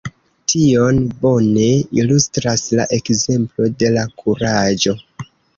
Tion bone ilustras la ekzemplo de la kuraĝo.